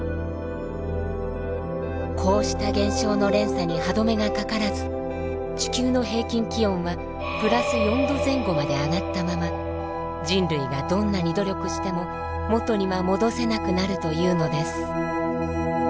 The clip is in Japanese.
こうした現象の連鎖に歯止めがかからず地球の平均気温は＋４℃前後まで上がったまま人類がどんなに努力しても元には戻せなくなるというのです。